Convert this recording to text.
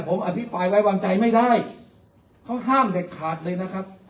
ผมอภิปรายไว้วางใจไม่ได้เขาห้ามเด็ดขาดเลยนะครับ